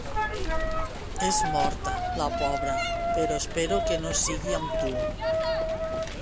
És morta, la pobra, però espero que no sigui amb tu.